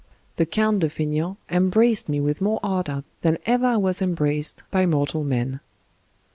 The Count de Faineant embraced me with more ardor than ever I was embraced by mortal man.